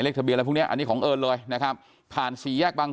ทะเบียนอะไรพวกเนี้ยอันนี้ของเอิญเลยนะครับผ่านสี่แยกบาง